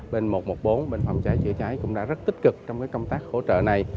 bên một trăm một mươi bốn bình phòng cháy chữa cháy cũng đã rất tích cực trong công tác hỗ trợ này